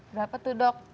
berapa tuh dok